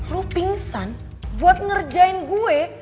lu pingsan buat ngerjain gue